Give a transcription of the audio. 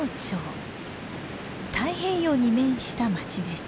太平洋に面した町です。